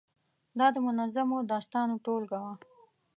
دا د منظومو داستانو ټولګه وه.